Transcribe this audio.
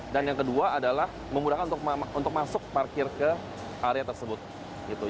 dan yang kedua adalah memudahkan untuk masuk parkir ke area tersebut